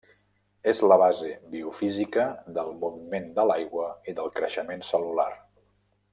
És la base biofísica del moviment de l'aigua i del creixement cel·lular.